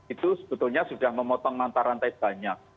itu sebetulnya sudah memotong mata rantai banyak